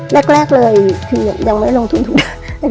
แรกเลยคือยังไม่ลงทุนถูก